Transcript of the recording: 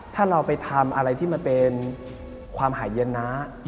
ถ้าเราไปทำอะไรที่มันเป็นความหายเย็นนะ